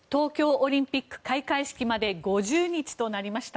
オリンピック開会式まで５０日となりました。